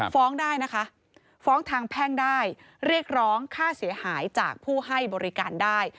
ฟ้องได้นะคะฟ้องทางแพ่งได้เรียกร้องค่าเสียหายจากผู้ให้บริการได้